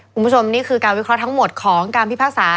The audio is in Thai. คุณผู้ชมนี่คือการวิเคราะห์ทั้งหมดของการพิพากษา